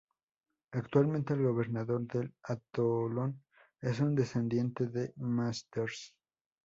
Actualmente, el gobernador del atolón es un descendiente de Masters.